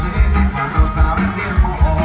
ยังใจไหม